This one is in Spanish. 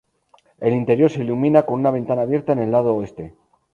El interior se ilumina con una ventana abierta en el lado oeste.